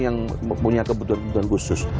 yang punya kebutuhan kebutuhan khusus